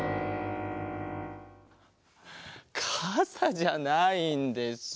かさじゃないんです。